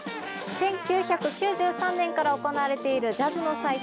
１９９３年から行われているジャズの祭典